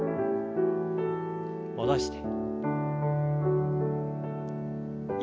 戻して。